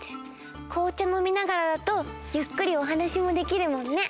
こうちゃのみながらだとゆっくりおはなしもできるもんね。